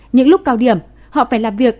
những lúc cao điểm họ phải làm việc